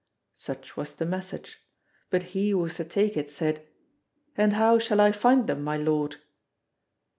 Such was the message. But he who was to take it said, "And how shall I find them, my lord?"